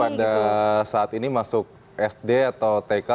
oke bisa jadi pada saat ini masuk sd atau tahun ke depan